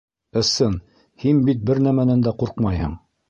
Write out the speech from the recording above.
—Ысын, һин бит бер нәмәнән дә ҡурҡмайһың.